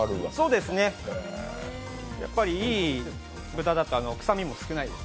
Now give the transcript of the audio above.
そうですね、いい豚だと臭みも少ないです。